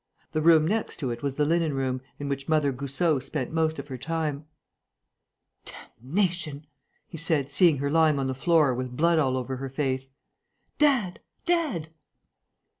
The room next to it was the linen room, in which Mother Goussot spent most of her time. "Damnation!" he said, seeing her lying on the floor, with blood all over her face. "Dad! Dad!"